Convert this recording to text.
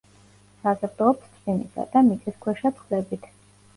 საზრდოობს წვიმისა და მიწისქვეშა წყლებით.